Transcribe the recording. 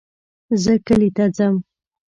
زه کلي ته ځم